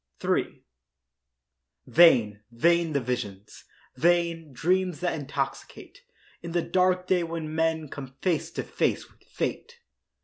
III Vain, vain the visions—vain, Dreams that intoxicate In the dark day when men Come face to face with fate.